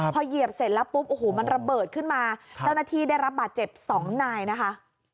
พอเหยียบเสร็จแล้วปุ๊บโอ้โหมันระเบิดขึ้นมาเจ้าหน้าที่ได้รับบาดเจ็บ๒นายนะคะ